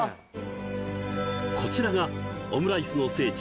こちらがオムライスの聖地